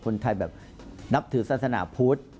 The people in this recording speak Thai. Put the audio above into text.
คนไทยแบบนับถือศาสนาพุทธ